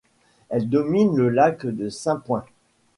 Elle domine le Lac de Saint-Point.